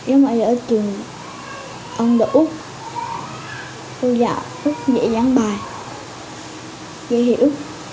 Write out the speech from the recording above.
em ở trường ông đậu úc tôi dạ rất dễ dàng bài ghê hiểu